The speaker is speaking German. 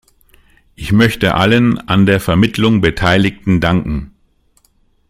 Ich möchte allen an der Vermittlung Beteiligten danken.